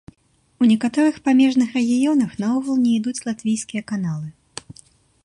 У некаторых памежных рэгіёнах наогул не ідуць латвійскія каналы.